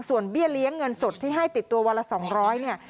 ส่วนเบี้ยเลี้ยงเงินสดที่ให้ติดตัววันละ๒๐๐เนี่ย